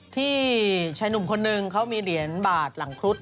ที่ชายหนุ่มคนนึงเขามีเหรียญบาทหลังครุฑ